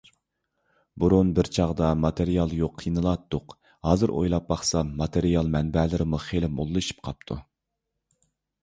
بۇرۇن بىر چاغدا ماتېرىيال يوق قىينىلاتتۇق. ھازىر ئويلاپ باقسام ماتېرىيال مەنبەلىرىمۇ خېلى موللىشىپ قاپتۇ.